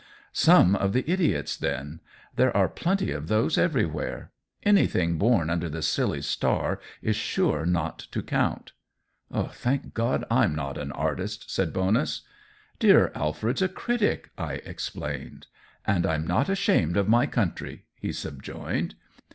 " Some of the idiots, then ! There are plenty of those everywhere. Anything born under that silly star is sure not to count." "Thank God I'm not an artist!" said Bonus. " Dear Alfred's a critic," I explained. " And I'm not ashamed of my country," he subjoined.